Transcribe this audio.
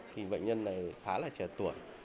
thì bệnh nhân này khá là trẻ tuổi